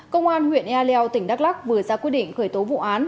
công an huyện e leo tỉnh đắk lắc vừa ra quyết định khởi tố vụ án